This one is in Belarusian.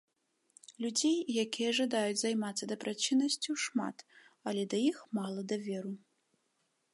Людзей, якія жадаюць займацца дабрачыннасцю, шмат, але да іх мала даверу.